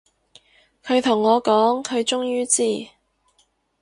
佢同我講，佢終於知